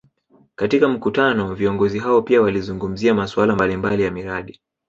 Katika mkutano viongozi hao pia walizungumzia masuala mbalimbali ya miradi